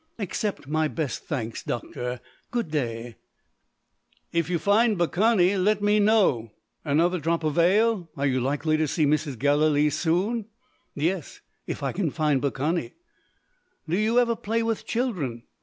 "Accept my best thanks, doctor. Good day!" "If you find Baccani let me know. Another drop of ale? Are you likely to see Mrs. Gallilee soon?" "Yes if I find Baccani." "Do you ever play with children?"